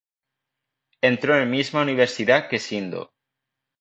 Entró en misma universidad que Shindo.